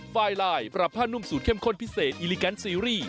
ไฟลายปรับผ้านุ่มสูตรเข้มข้นพิเศษอิลิแกนซีรีส์